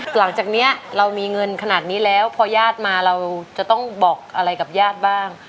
หลังจากนี้เรามีเงินขนาดนี้แล้วพอญาติมาเราจะต้องบอกอะไรกับญาติบ้าง